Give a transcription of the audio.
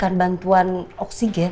dan kalau kalu tersyukur